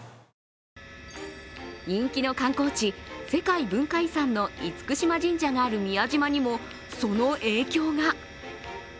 人気の観光地、世界文化遺産の厳島神社がある宮島にもその影響が。